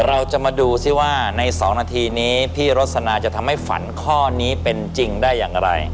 เราจะมาดูซิว่าใน๒นาทีนี้พี่รสนาจะทำให้ฝันข้อนี้เป็นจริงได้อย่างไร